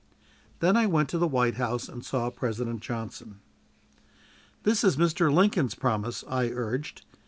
Then I went to the White House, and saw President Johnson. "This is Mr. Lincoln's promise," I urged.